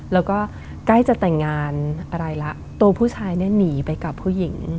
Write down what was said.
แล้วก็ใกล้จะแต่งงานอะไรละตัวผู้ชายเนี่ยหนีไปกับผู้หญิง